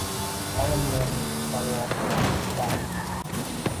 Yalindi, yolvordi… Yigitlarimiz